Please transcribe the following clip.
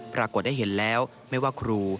ปรากฏได้เห็นแล้วไม่ว่าครู